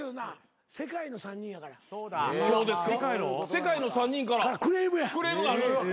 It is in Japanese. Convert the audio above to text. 世界の３人からクレームがあるんですか？